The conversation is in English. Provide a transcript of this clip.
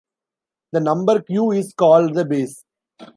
The number "q" is called the base.